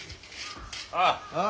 ああ。